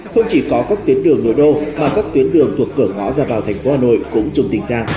không chỉ có các tuyến đường nội đô mà các tuyến đường thuộc cửa ngõ ra vào thành phố hà nội cũng trong tình trạng